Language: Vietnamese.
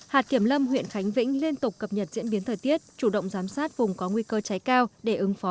hạt kiểm lâm huyện khánh vĩnh liên tục cập nhật diễn biến thời tiết chủ động giám sát vùng có nguy cơ cháy cao để ứng phó